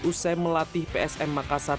usai melatih psm makassar